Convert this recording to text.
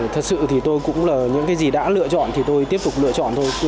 thật sự thì tôi cũng là những cái gì đã lựa chọn thì tôi tiếp tục lựa chọn thôi